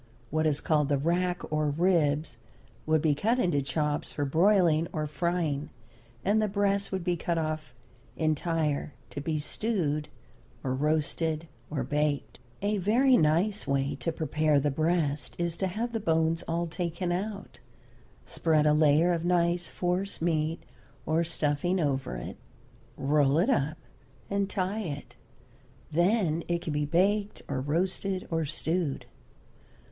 What is called the rack or ribs would be cut into chops for broiling or frying, and the breast would be cut off entire to be stewed or roasted or baked. A very nice way to prepare the breast is to have the bones all taken out, spread a layer of nice force meat or stuffing over it, roll it up, and tie it. Then it can be baked, or roasted, or stewed.